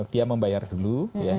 dia membayar dulu